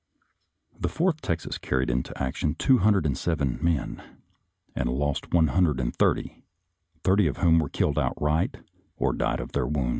The Fourth Texas carried into the action two hundred and seven men, and lost one hundred and thirty, thirty of whom were killed outright, or died of their wounds.